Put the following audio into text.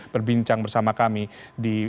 berbincang bersama kami di